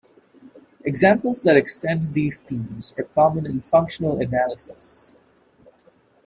Examples that extend these themes are common in functional analysis.